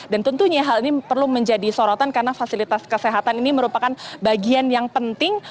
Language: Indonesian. dan tentunya hal ini perlu menjadi sorotan karena fasilitas kesehatan ini merupakan bagian yang penting